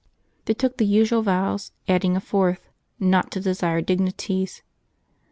They took the usual vows, adding a fourth — not to desire dignities.